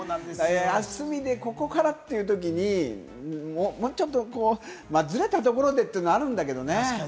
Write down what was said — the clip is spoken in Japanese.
休みでここからというときに、もうちょっと、ずれたところでというのはあるんだけれどね。